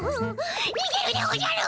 にげるでおじゃる！